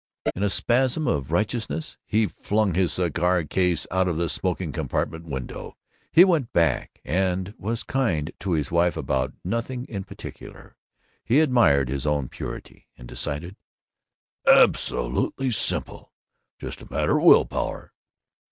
In a spasm of righteousness he flung his cigar case out of the smoking compartment window. He went back and was kind to his wife about nothing in particular; he admired his own purity, and decided, "Absolutely simple. Just a matter of will power."